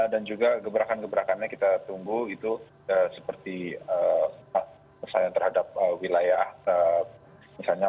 dan juga gebrakan gebrakan nya kita tunggu itu seperti misalnya terhadap wilayah misalnya